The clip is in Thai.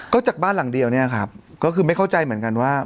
ก็จากบ้านหลังเดียวเนี่ยครับก็คือไม่เข้าใจเหมือนกันว่า